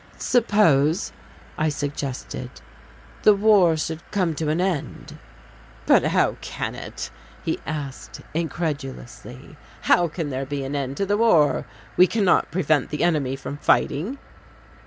"Suppose," I suggested, "the war should come to an end?" "But how can it?" he asked incredulously. "How can there be an end to the war? We cannot prevent the enemy from fighting."